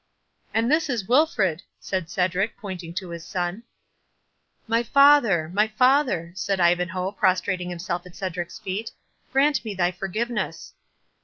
"And this is Wilfred!" said Cedric, pointing to his son. "My father!—my father!" said Ivanhoe, prostrating himself at Cedric's feet, "grant me thy forgiveness!"